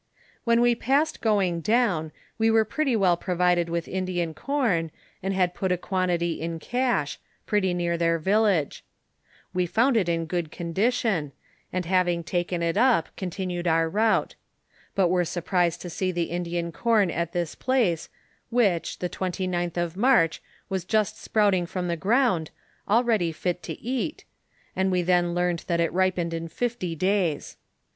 When we passed going down, we were pretty well pro vided with Indian corn, and had put a quantity in cache, pretty near their village. We found it in good condition ; and having taken it up, continued our route ; but were sur m HU 178 NAEKATIVE OF FATHEB MEMBBE. >. ''il <■,!.'.:'^ li prised to see the Indian corn at this place, which, the twenty ninth of March, was jnst sprouting from the ground, already fit to eat, and we then learned that ic ripened in fifty days.